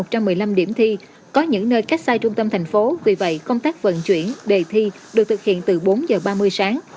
trong một mươi năm điểm thi có những nơi cách xa trung tâm thành phố vì vậy công tác vận chuyển đề thi được thực hiện từ bốn giờ ba mươi sáng